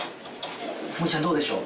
むぅちゃんどうでしょう？